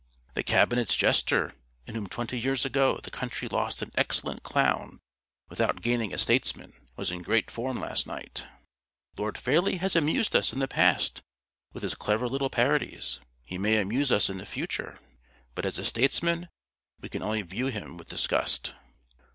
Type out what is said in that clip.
"The Cabinet's jester, in whom twenty years ago the country lost an excellent clown without gaining a statesman, was in great form last night...." "Lord Fairlie has amused us in the past with his clever little parodies; he may amuse us in the future; but as a statesman we can only view him with disgust...."